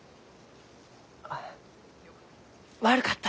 あ悪かった。